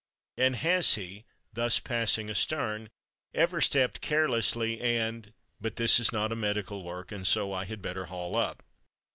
And has he, thus passing astern, ever stepped carelessly, and— But this is not a medical work, and so I had better haul up.